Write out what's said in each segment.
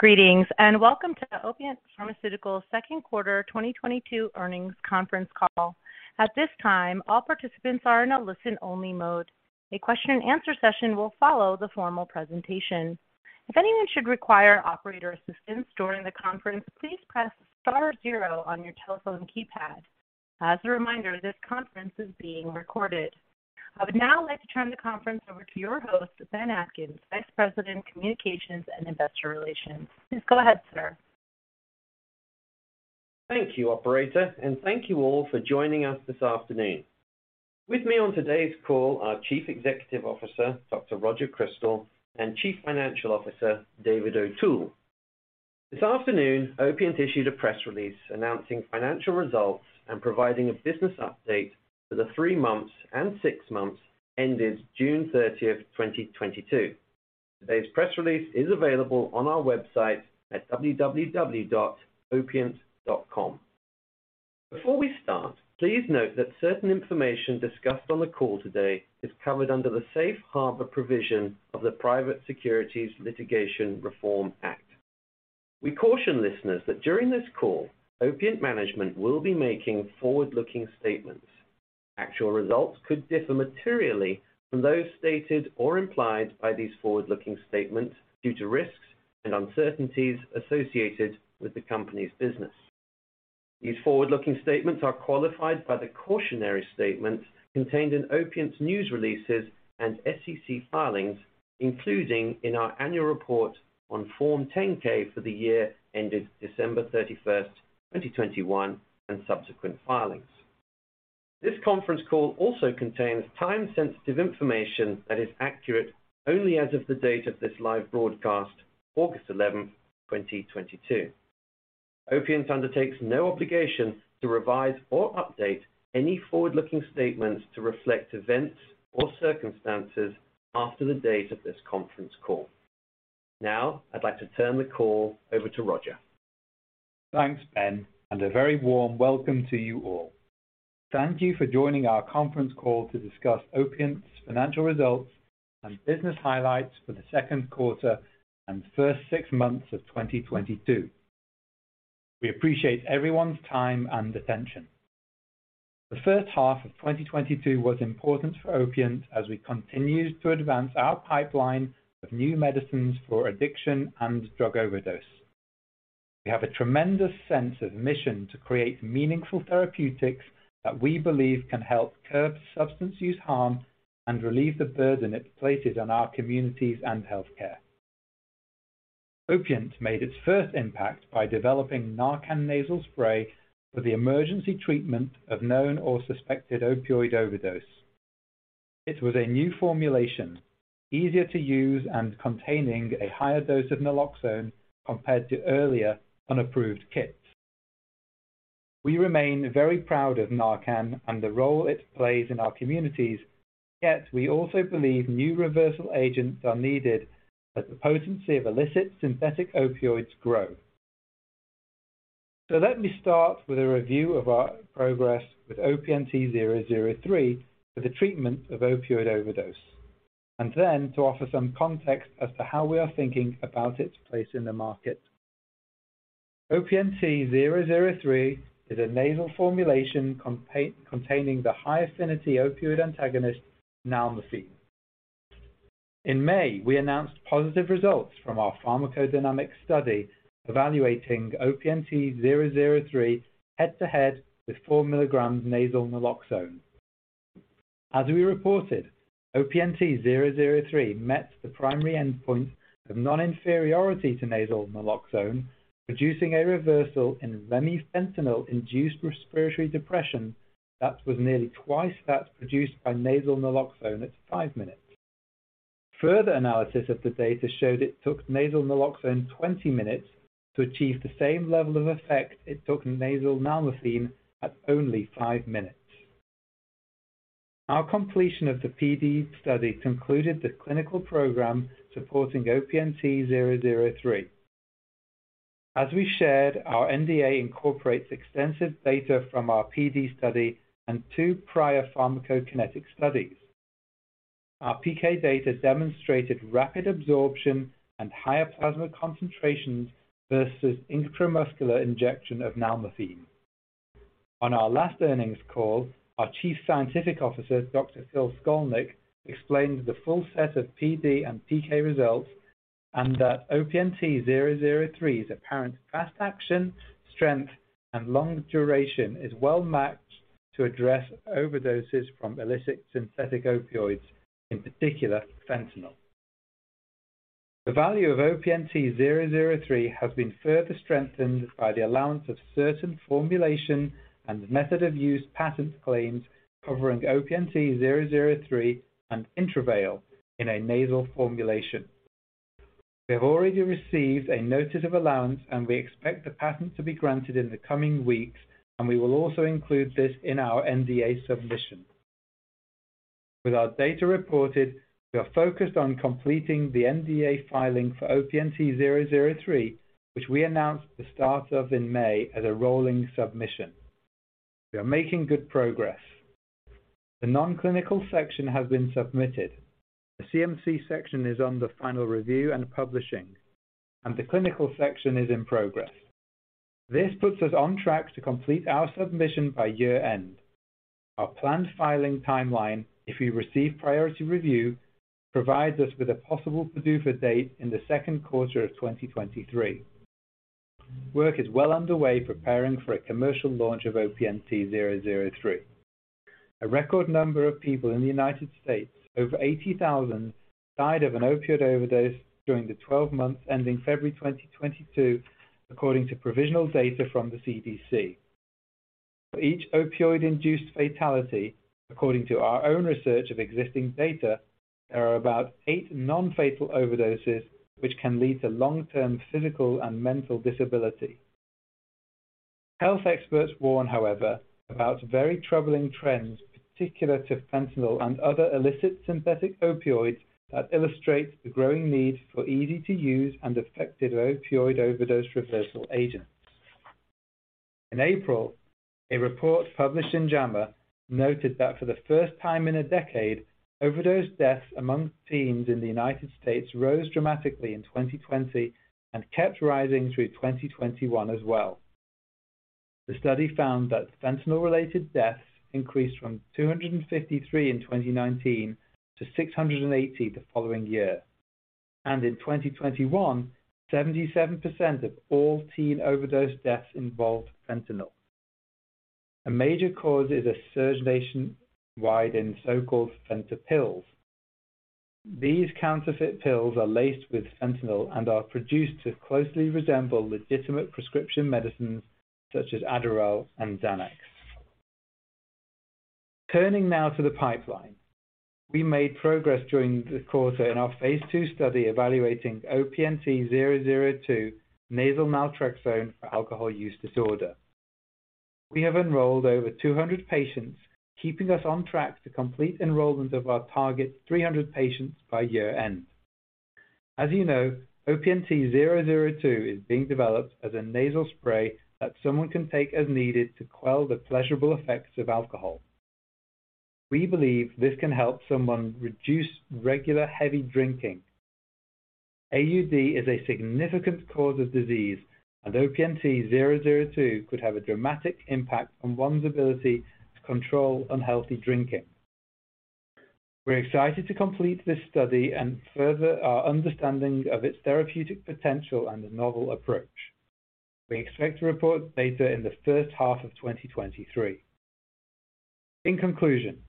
Greetings, and welcome to the Opiant Pharmaceuticals Q2 2022 earnings conference call. At this time, all participants are in a listen-only mode. A question and answer session will follow the formal presentation. If anyone should require operator assistance during the conference, please press star zero on your telephone keypad. As a reminder, this conference is being recorded. I would now like to turn the conference over to your host, Ben Atkins, Vice President, Communications and Investor Relations. Please go ahead, sir. Thank you, operator, and thank you all for joining us this afternoon. With me on today's call are Chief Executive Officer, Dr. Roger Crystal, and Chief Financial Officer, David O'Toole. This afternoon, Opiant issued a press release announcing financial results and providing a business update for the 3 months and 6 months ended June 30, 2022. Today's press release is available on our wEmergent BioSolutionsite at www.opiant.com. Before we start, please note that certain information discussed on the call today is covered under the safe harbor provision of the Private Securities Litigation Reform Act. We caution listeners that during this call, Opiant management will be making forward-looking statements. Actual results could differ materially from those stated or implied by these forward-looking statements due to risks and uncertainties associated with the company's business. These forward-looking statements are qualified by the cautionary statements contained in Opiant's news releases and SEC filings, including in our annual report on Form 10-K for the year ended December 31, 2021, and subsequent filings. This conference call also contains time-sensitive information that is accurate only as of the date of this live broadcast, August 11, 2022. Opiant undertakes no obligation to revise or update any forward-looking statements to reflect events or circumstances after the date of this conference call. Now, I'd like to turn the call over to Roger. Thanks, Ben, and a very warm welcome to you all. Thank you for joining our conference call to discuss Opiant's financial results and business highlights for the Q2 and first six months of 2022. We appreciate everyone's time and attention. The first half of 2022 was important for Opiant as we continued to advance our pipeline of new medicines for addiction and drug overdose. We have a tremendous sense of mission to create meaningful therapeutics that we believe can help curb substance use harm and relieve the burden it places on our communities and healthcare. Opiant made its first impact by developing NARCAN nasal spray for the emergency treatment of known or suspected opioid overdose. It was a new formulation, easier to use and containing a higher dose of naloxone compared to earlier unapproved kits. We remain very proud of NARCAN and the role it plays in our communities, yet we also believe new reversal agents are needed as the potency of illicit synthetic opioids grow. Let me start with a review of our progress with OPNT zero zero three for the treatment of opioid overdose, and then to offer some context as to how we are thinking about its place in the market. OPNT zero zero three is a nasal formulation containing the high-affinity opioid antagonist nalmefene. In May, we announced positive results from our pharmacodynamic study evaluating OPNT zero zero three head-to-head with 4 milligrams nasal naloxone. As we reported, OPNT zero zero three met the primary endpoint of non-inferiority to nasal naloxone, producing a reversal in remifentanil-induced respiratory depression that was nearly twice that produced by nasal naloxone at 5 minutes. Further analysis of the data showed it took nasal naloxone 20 minutes to achieve the same level of effect it took nasal nalmefene at only 5 minutes. Our completion of the PD study concluded the clinical program supporting OPNT zero zero three. As we shared, our NDA incorporates extensive data from our PD study and two prior pharmacokinetic studies. Our PK data demonstrated rapid absorption and higher plasma concentrations versus intramuscular injection of nalmefene. On our last earnings call, our chief scientific officer, Dr. Phil Skolnick, explained the full set of PD and PK results and that OPNT zero zero three's apparent fast action, strength, and long duration is well-matched to address overdoses from illicit synthetic opioids, in particular fentanyl. The value of OPNT003 has been further strengthened by the allowance of certain formulation and method of use patent claims covering OPNT003 and Intravail in a nasal formulation. We have already received a notice of allowance, and we expect the patent to be granted in the coming weeks, and we will also include this in our NDA submission. With our data reported, we are focused on completing the NDA filing for OPNT003, which we announced the start of in May as a rolling submission. We are making good progress. The non-clinical section has been submitted. The CMC section is under final review and publishing, and the clinical section is in progress. This puts us on track to complete our submission by year-end. Our planned filing timeline, if we receive priority review, provides us with a possible PDUFA date in the Q2 of 2023. Work is well underway preparing for a commercial launch of OPNT003. A record number of people in the United States, over 80,000, died of an opioid overdose during the twelve months ending February 2022, according to provisional data from the CDC. For each opioid-induced fatality, according to our own research of existing data, there are about 8 non-fatal overdoses, which can lead to long-term physical and mental disability. Health experts warn, however, about very troubling trends particular to fentanyl and other illicit synthetic opioids that illustrate the growing need for easy-to-use and effective opioid overdose reversal agents. In April, a report published in JAMA noted that for the first time in a decade, overdose deaths among teens in the United States rose dramatically in 2020 and kept rising through 2021 as well. The study found that fentanyl-related deaths increased from 253 in 2019 to 680 the following year. In 2021, 77% of all teen overdose deaths involved fentanyl. A major cause is a surge nationwide in so-called fentanyls. These counterfeit pills are laced with fentanyl and are produced to closely resemble legitimate prescription medicines such as Adderall and Xanax. Turning now to the pipeline. We made progress during the quarter in our phase 2 study evaluating OPNT002 nasal naltrexone for alcohol use disorder. We have enrolled over 200 patients, keeping us on track to complete enrollment of our target 300 patients by year-end. As you know, OPNT002 is being developed as a nasal spray that someone can take as needed to quell the pleasurable effects of alcohol. We believe this can help someone reduce regular heavy drinking. AUD is a significant cause of disease, and OPNT002 could have a dramatic impact on one's ability to control unhealthy drinking. We're excited to complete this study and further our understanding of its therapeutic potential and the novel approach. We expect to report data in the first half of 2023. In conclusion,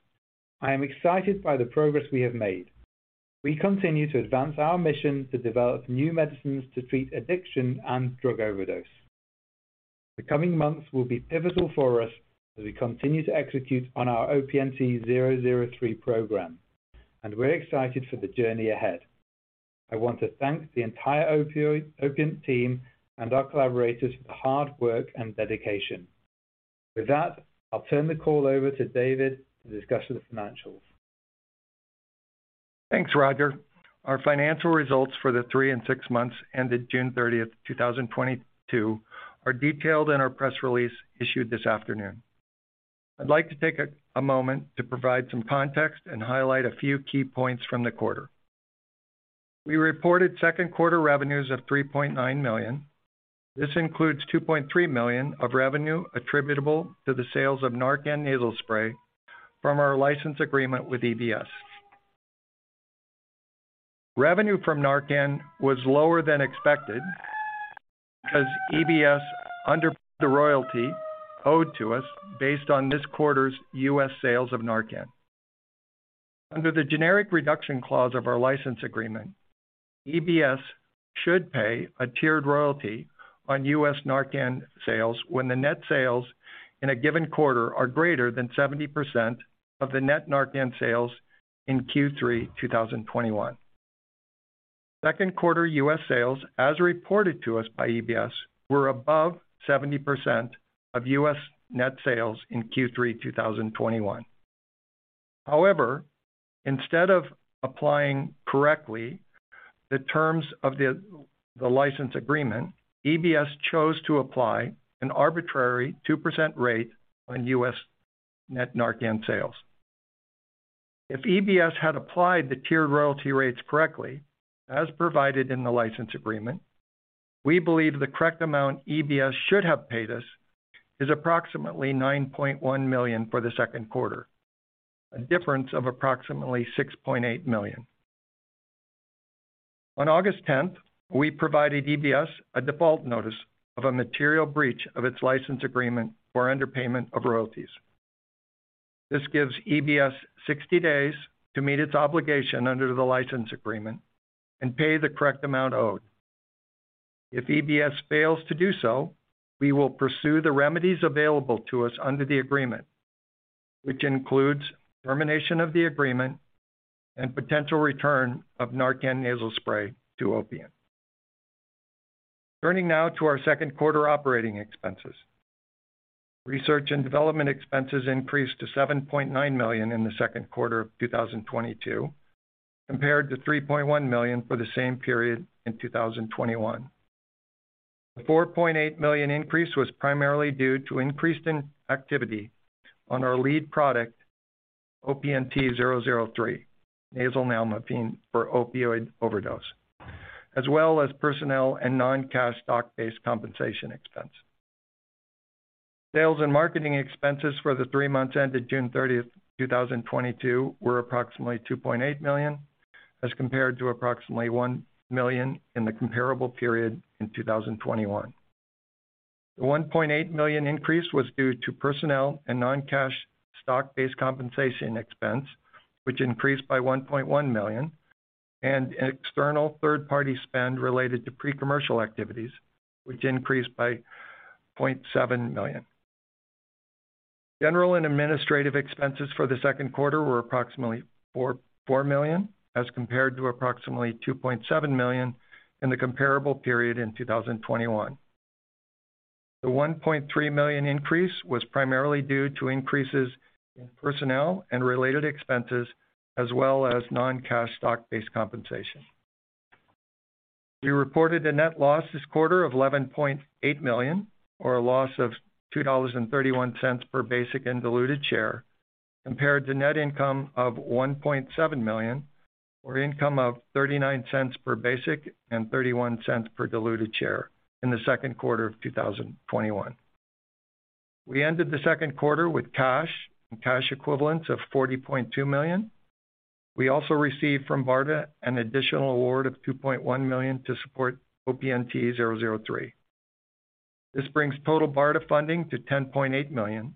I am excited by the progress we have made. We continue to advance our mission to develop new medicines to treat addiction and drug overdose. The coming months will be pivotal for us as we continue to execute on our OPNT003 program, and we're excited for the journey ahead. I want to thank the entire Opiant team and our collaborators for the hard work and dedication. With that, I'll turn the call over to David to discuss the financials. Thanks, Roger. Our financial results for the three and six months ended June 30, 2022 are detailed in our press release issued this afternoon. I'd like to take a moment to provide some context and highlight a few key points from the quarter. We reported Q2 revenues of $3.9 million. This includes $2.3 million of revenue attributable to the sales of NARCAN Nasal Spray from our license agreement with Emergent BioSolutions. Revenue from NARCAN was lower than expected because Emergent BioSolutions underpaid the royalty owed to us based on this quarter's US sales of NARCAN. Under the generic reduction clause of our license agreement, Emergent BioSolutions should pay a tiered royalty on US NARCAN sales when the net sales in a given quarter are greater than 70% of the net NARCAN sales in Q3 2021. Q2 US sales, as reported to us by Emergent BioSolutions, were above 70% of US net sales in Q3 2021. However, instead of applying correctly the terms of the license agreement, Emergent BioSolutions chose to apply an arbitrary 2% rate on US net NARCAN sales. If Emergent BioSolutions had applied the tiered royalty rates correctly, as provided in the license agreement, we believe the correct amount Emergent BioSolutions should have paid us is approximately $9.1 million for the Q2, a difference of approximately $6.8 million. On August tenth, we provided Emergent BioSolutions a default notice of a material breach of its license agreement for underpayment of royalties. This gives Emergent BioSolutions 60 days to meet its obligation under the license agreement and pay the correct amount owed. If Emergent BioSolutions fails to do so, we will pursue the remedies available to us under the agreement, which includes termination of the agreement and potential return of NARCAN Nasal Spray to Opiant. Turning now to our Q2 operating expenses. Research and development expenses increased to $7.9 million in the Q2 of 2022 compared to $3.1 million for the same period in 2021. The $4.8 million increase was primarily due to increase in activity on our lead product, OPNT003, nasal nalmefene for opioid overdose, as well as personnel and non-cash stock-based compensation expense. Sales and marketing expenses for the three months ended June 30, 2022 were approximately $2.8 million as compared to approximately $1 million in the comparable period in 2021. The $1.8 million increase was due to personnel and non-cash stock-based compensation expense, which increased by $1.1 million and external third-party spend related to pre-commercial activities, which increased by $0.7 million. General and administrative expenses for the Q2 were approximately $4.4 million as compared to approximately $2.7 million in the comparable period in 2021. The $1.3 million increase was primarily due to increases in personnel and related expenses as well as non-cash stock-based compensation. We reported a net loss this quarter of $11.8 million or a loss of $2.31 per basic and diluted share, compared to net income of $1.7 million, or income of $0.39 per basic and $0.31 per diluted share in the Q2 of 2021. We ended the Q2 with cash and cash equivalents of $40.2 million. We also received from BARDA an additional award of $2.1 million to support OPNT003. This brings total BARDA funding to $10.8 million.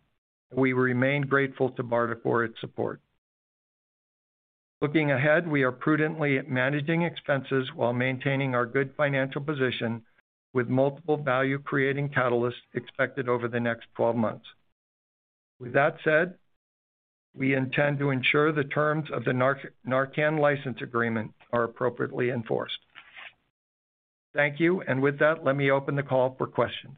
We remain grateful to BARDA for its support. Looking ahead, we are prudently managing expenses while maintaining our good financial position with multiple value-creating catalysts expected over the next twelve months. With that said, we intend to ensure the terms of the NARCAN license agreement are appropriately enforced. Thank you. With that, let me open the call for questions.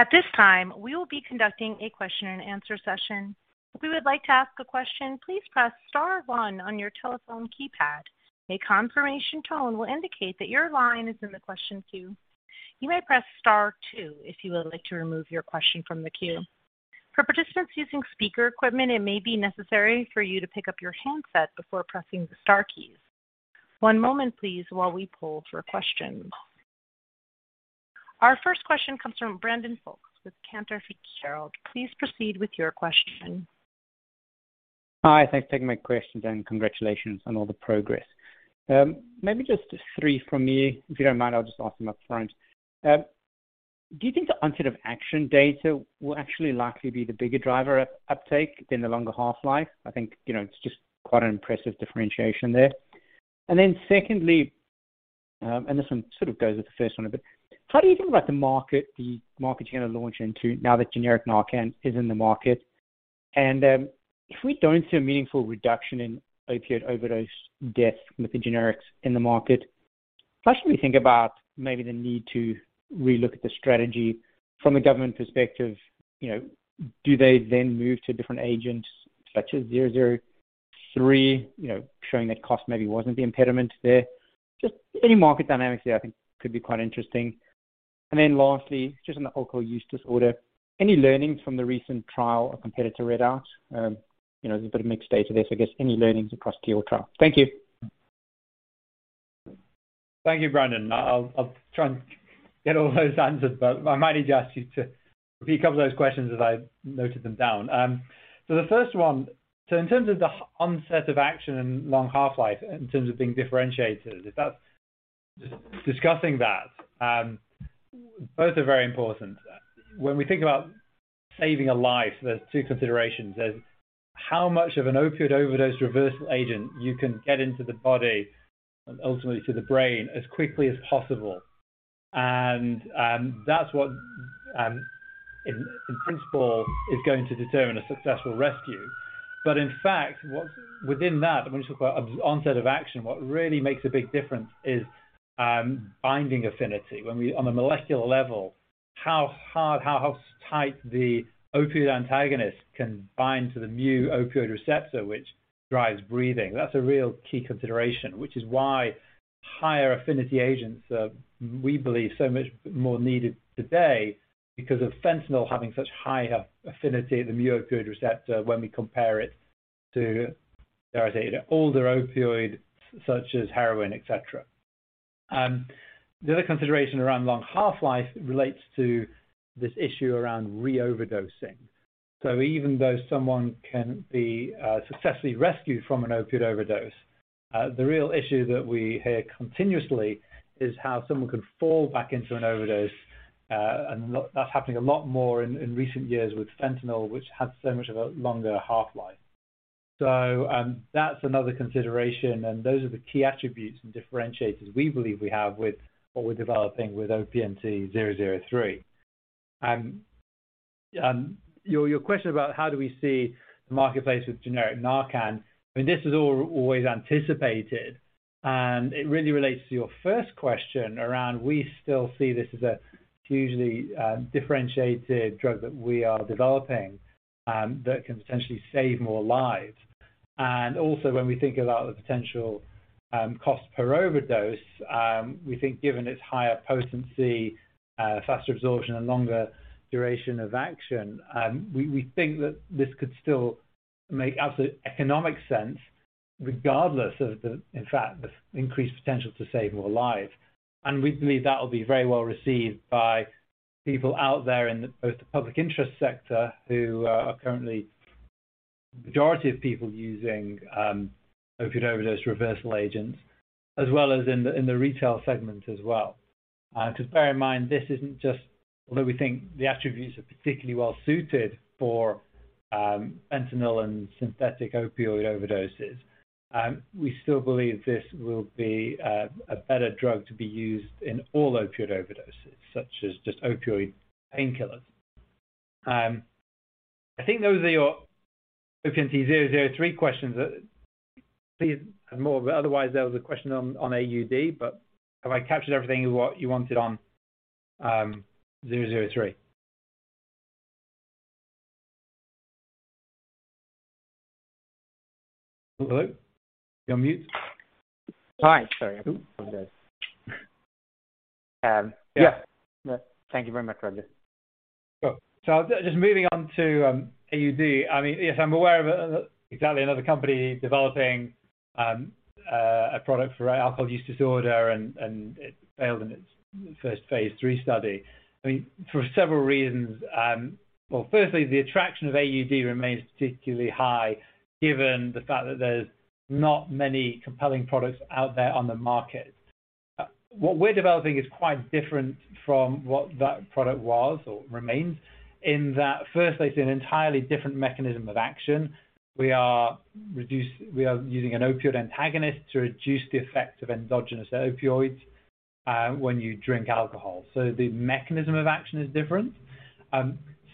At this time, we will be conducting a question and answer session. If you would like to ask a question, please press star one on your telephone keypad. A confirmation tone will indicate that your line is in the question queue. You may press star two if you would like to remove your question from the queue. For participants using speaker equipment, it may be necessary for you to pick up your handset before pressing the star keys. One moment please while we pull for questions. Our first question comes from Brandon Folkes with Cantor Fitzgerald. Please proceed with your question. Hi. Thanks for taking my questions, and congratulations on all the progress. Maybe just three from me. If you don't mind, I'll just ask them up front. Do you think the onset of action data will actually likely be the bigger driver of uptake than the longer half-life? I think, you know, it's just quite an impressive differentiation there. Secondly, and this one sort of goes with the first one a bit. How do you think about the market, the market you're going to launch into now that generic NARCAN is in the market? If we don't see a meaningful reduction in opiate overdose deaths with the generics in the market, how should we think about maybe the need to relook at the strategy from a government perspective? You know, do they then move to different agents such as OPNT003, you know, showing that cost maybe wasn't the impediment there? Just any market dynamics there I think could be quite interesting. Then lastly, just on the alcohol use disorder, any learnings from the recent trial or competitor read out? You know, there's a bit of mixed data there, so I guess any learnings across the AUD trial. Thank you. Thank you, Brandon. I'll try and get all those answered, but I might need to ask you to repeat a couple of those questions as I noted them down. The first one. In terms of the onset of action and long half-life, in terms of being differentiated, if that's discussing that, both are very important. When we think about saving a life, there's two considerations. There's how much of an opioid overdose reversal agent you can get into the body, ultimately to the brain, as quickly as possible. That's what, in principle, is going to determine a successful rescue. But in fact, what's within that, when you talk about onset of action, what really makes a big difference is binding affinity. On a molecular level, how hard, how tight the opioid antagonist can bind to the mu-opioid receptor, which drives breathing. That's a real key consideration. Which is why higher affinity agents are, we believe, so much more needed today because of fentanyl having such high affinity at the mu-opioid receptor when we compare it to, as I say, the older opioid such as heroin, et cetera. The other consideration around long half-life relates to this issue around re-overdosing. Even though someone can be successfully rescued from an opioid overdose, the real issue that we hear continuously is how someone could fall back into an overdose. That's happening a lot more in recent years with fentanyl, which has so much of a longer half-life. That's another consideration, and those are the key attributes and differentiators we believe we have with what we're developing with OPNT003. Your question about how do we see the marketplace with generic NARCAN, I mean, this was always anticipated, and it really relates to your first question around we still see this as a hugely differentiated drug that we are developing, that can potentially save more lives. Also when we think about the potential, cost per overdose, we think given its higher potency, faster absorption, and longer duration of action, we think that this could still make absolute economic sense regardless of the, in fact, the increased potential to save more lives. We believe that will be very well received by people out there in both the public interest sector, who are currently the majority of people using opioid overdose reversal agents, as well as in the retail segment as well. 'Cause bear in mind, this isn't just although we think the attributes are particularly well-suited for fentanyl and synthetic opioid overdoses, we still believe this will be a better drug to be used in all opioid overdoses, such as just opioid painkillers. I think those are your OPNT003 questions. Please more, but otherwise, there was a question on AUD, but have I captured everything you wanted on 003? Hello? You on mute? Hi. Sorry about that. Oops. Yeah. Yeah. Thank you very much, Dr. Roger Crystal. Sure. Just moving on to AUD. I mean, yes, I'm aware of exactly another company developing a product for alcohol use disorder and it failed in its first phase 3 study. I mean, for several reasons, well, firstly, the attraction of AUD remains particularly high given the fact that there's not many compelling products out there on the market. What we're developing is quite different from what that product was or remains in that, firstly, it's an entirely different mechanism of action. We are using an opioid antagonist to reduce the effect of endogenous opioids when you drink alcohol. The mechanism of action is different.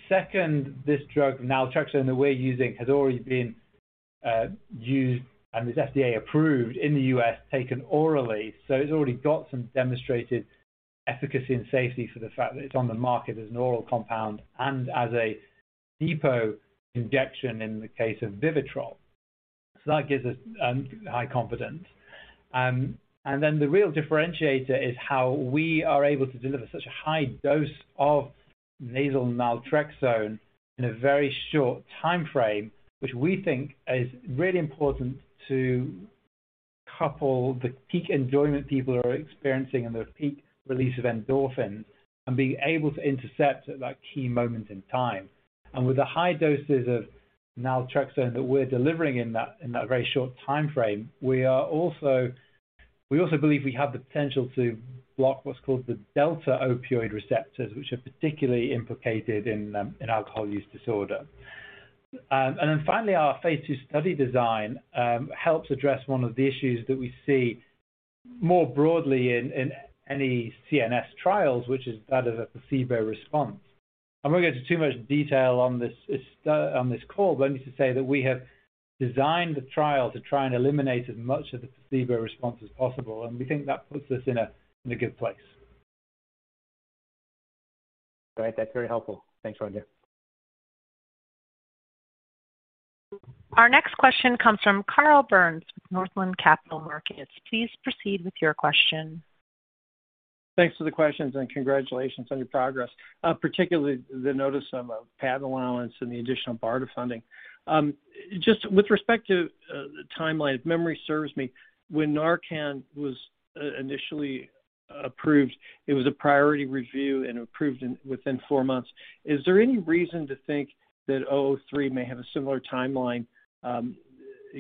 Second, this drug, naltrexone, that we're using has already been used and is FDA approved in the US, taken orally. It's already got some demonstrated efficacy and safety for the fact that it's on the market as an oral compound and as a depot injection in the case of Vivitrol. That gives us high confidence. The real differentiator is how we are able to deliver such a high dose of nasal naltrexone in a very short timeframe, which we think is really important to couple the peak enjoyment people are experiencing and the peak release of endorphins and being able to intercept at that key moment in time. With the high doses of naltrexone that we're delivering in that very short timeframe, we also believe we have the potential to block what's called the delta opioid receptors, which are particularly implicated in alcohol use disorder. Our phase 2 study design helps address one of the issues that we see more broadly in any CNS trials, which is that of a placebo response. I won't go into too much detail on this call, but only to say that we have designed the trial to try and eliminate as much of the placebo response as possible, and we think that puts us in a good place. Great. That's very helpful. Thanks, Andrew. Our next question comes from Carl Burns with Northland Capital Markets. Please proceed with your question. Thanks for the questions, and congratulations on your progress, particularly the notice of patent allowance and the additional BARDA funding. Just with respect to the timeline, if memory serves me, when NARCAN was initially approved, it was a priority review and approved within four months. Is there any reason to think that 003 may have a similar timeline,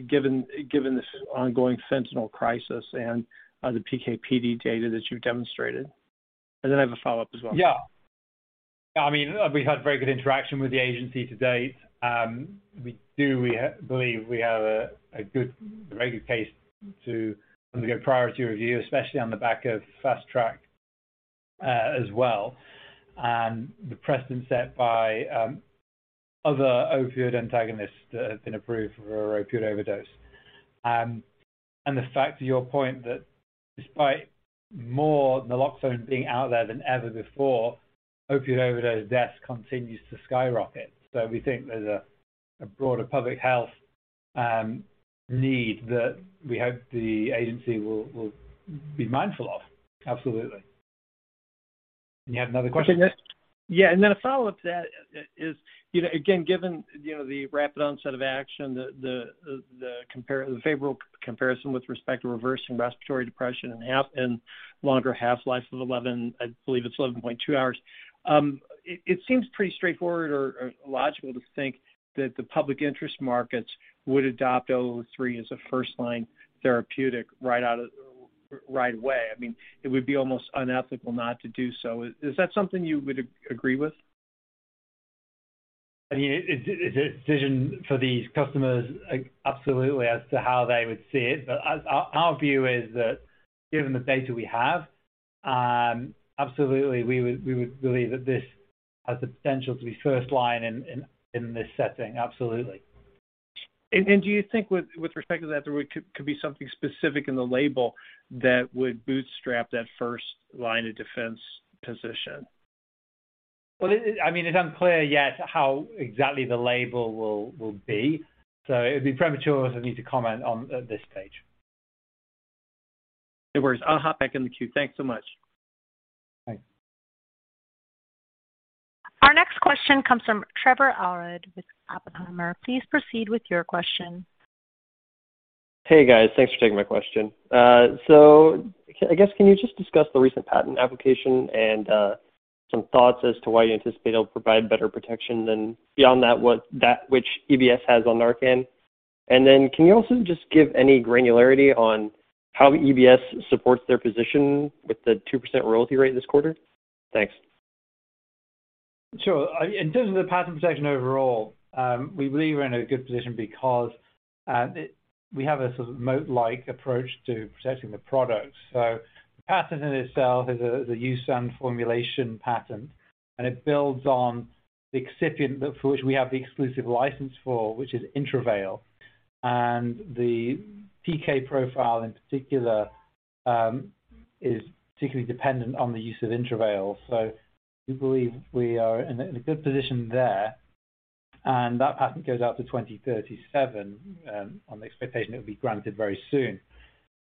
given this ongoing fentanyl crisis and the PK/PD data that you've demonstrated? I have a follow-up as well. Yeah. I mean, we've had very good interaction with the agency to date. We believe we have a good, very good case to get priority review, especially on the back of Fast Track, as well, and the precedent set by other opioid antagonists that have been approved for opioid overdose. The fact, to your point, that despite more naloxone being out there than ever before, opioid overdose deaths continues to skyrocket. We think there's a broader public health need that we hope the agency will be mindful of. Absolutely. You had another question? Yeah. Then a follow-up to that is, you know, again, given, you know, the rapid onset of action, the favorable comparison with respect to reversing respiratory depression and a longer half-life of 11, I believe it's 11.2 hours. It seems pretty straightforward or logical to think that the public interest markets would adopt zero zero three as a first-line therapeutic right away. I mean, it would be almost unethical not to do so. Is that something you would agree with? I mean, it's a decision for these customers, absolutely as to how they would see it. Our view is that given the data we have, absolutely, we would believe that this has the potential to be first line in this setting. Absolutely. Do you think with respect to that, there could be something specific in the label that would bootstrap that first line of defense position? Well, it, I mean, it's unclear yet how exactly the label will be. It'd be premature for us to need to comment on this stage. No worries. I'll hop back in the queue. Thanks so much. Bye. Our next question comes from Trevor Allard with Oppenheimer. Please proceed with your question. Hey, guys. Thanks for taking my question. I guess, can you just discuss the recent patent application and some thoughts as to why you anticipate it'll provide better protection than that which Emergent BioSolutions has on NARCAN? And then can you also just give any granularity on how Emergent BioSolutions supports their position with the 2% royalty rate this quarter? Thanks. Sure. In terms of the patent protection overall, we believe we're in a good position because we have a sort of moat-like approach to protecting the product. The patent in itself is the use and formulation patent, and it builds on the excipient for which we have the exclusive license, which is Intravail. The PK profile in particular is particularly dependent on the use of Intravail. We believe we are in a good position there. That patent goes out to 2037 on the expectation it'll be granted very soon.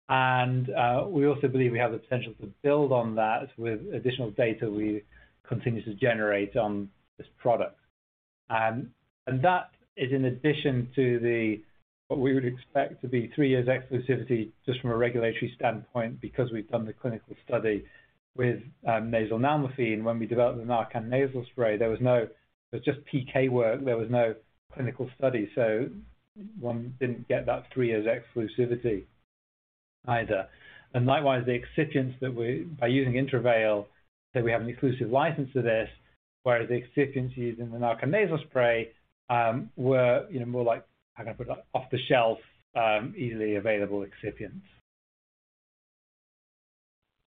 We also believe we have the potential to build on that with additional data we continue to generate on this product. That is in addition to the, what we would expect to be three years exclusivity just from a regulatory standpoint because we've done the clinical study with nasal naloxone. When we developed the NARCAN Nasal Spray, there was no clinical study. It was just PK work. There was no clinical study, so one didn't get that three years exclusivity either. Likewise, the excipient that we, by using Intravail, say we have an exclusive license to this, whereas the excipient used in the NARCAN Nasal Spray were, you know, more like, how can I put it, off the shelf, easily available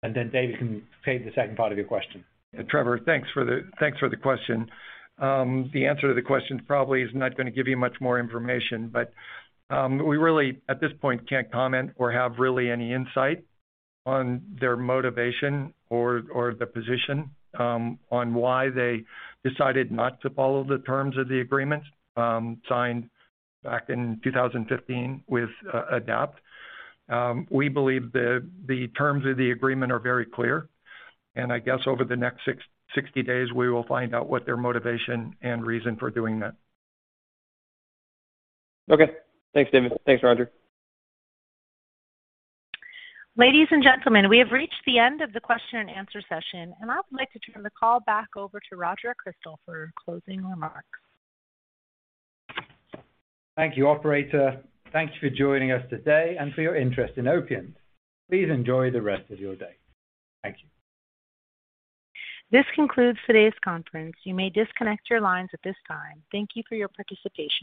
excipient. Then David can take the second part of your question. Trevor, thanks for the question. The answer to the question probably is not gonna give you much more information, but we really at this point can't comment or have really any insight on their motivation or the position on why they decided not to follow the terms of the agreement signed back in 2015 with Adapt Pharma. We believe the terms of the agreement are very clear, and I guess over the next 60 days, we will find out what their motivation and reason for doing that. Okay. Thanks, David. Thanks, Roger. Ladies and gentlemen, we have reached the end of the question and answer session, and I would like to turn the call back over to Roger Crystal for closing remarks. Thank you, operator. Thank you for joining us today and for your interest in Opiant. Please enjoy the rest of your day. Thank you. This concludes today's conference. You may disconnect your lines at this time. Thank you for your participation.